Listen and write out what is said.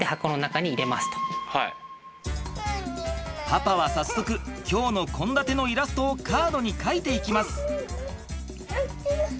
パパは早速今日の献立のイラストをカードに描いていきます。